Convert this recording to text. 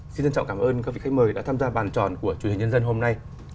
xin trân trọng cảm ơn các vị khách mời đã tham gia bàn tròn của truyền hình nhân dân hôm nay